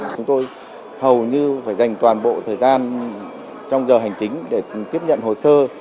chúng tôi hầu như phải dành toàn bộ thời gian trong giờ hành chính để tiếp nhận hồ sơ